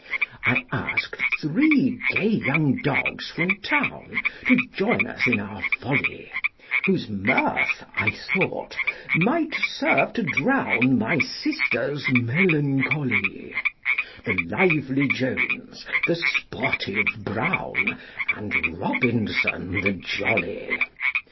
I asked three gay young dogs from town To join us in our folly, Whose mirth, I thought, might serve to drown My sister's melancholy: The lively Jones, the sportive Brown, And Robinson the jolly.